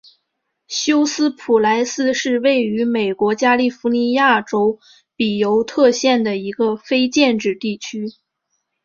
休斯普莱斯是位于美国加利福尼亚州比尤特县的一个非建制地区。